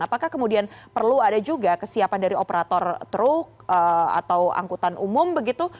apakah kemudian perlu ada juga kesiapan dari operator truk atau angkutan umum begitu